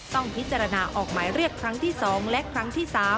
ต้องพิจารณาออกหมายเรียกครั้งที่๒และครั้งที่๓